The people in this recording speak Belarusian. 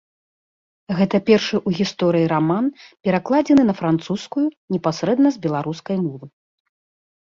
Гэта першы ў гісторыі раман, перакладзены на французскую непасрэдна з беларускай мовы.